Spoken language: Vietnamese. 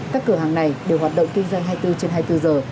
các cửa hàng này đều hoạt động kinh doanh hai mươi bốn trên hai mươi bốn giờ